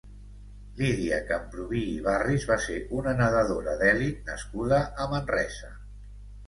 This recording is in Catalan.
Lidia Camprubí i Barris va ser una nedadora d'elit nascuda a Manresa.